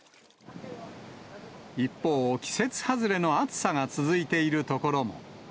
一方、季節外れの暑さが続いている所も。